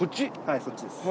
はいそっちです。